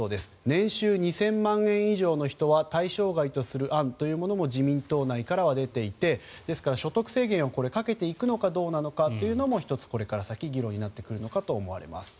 年収２０００万円以上の人は対象外とする案というものも自民党内からは出ていてですから、所得制限をかけていくのかということも１つ、これから先議論になってくるのかと思われます。